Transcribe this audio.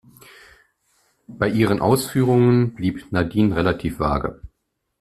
Bei ihren Ausführungen blieb Nadine relativ vage.